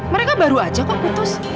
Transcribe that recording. mereka baru aja kok putus